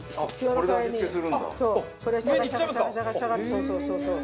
そうそうそうそう。